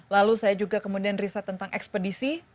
lalu saya juga kemudian riset tentang ekspedisi